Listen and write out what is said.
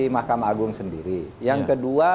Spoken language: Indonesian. mahkamah agung sendiri yang kedua